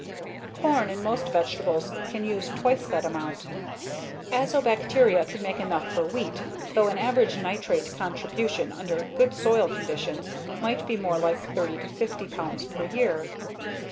Corn and most vegetables can use twice that amount. Azobacteria can make enough for wheat, though an average nitrate contribution under good soil conditions might be more like 30 50 pounds per year.